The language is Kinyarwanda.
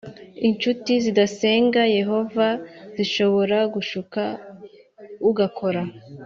incuti zidasenga Yehova zishobora kugushuka ugakora